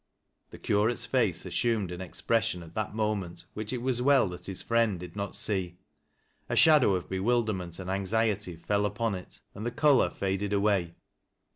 The curate's face assumed an expression at that moment, which it was well that h:s rriend did not see. A shadow of bewilderment and anxiety fell upon it and the color faded away.